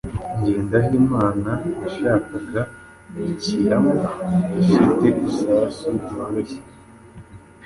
Ngendahimana yashakaga ikaramu ifite isasu ryoroshye.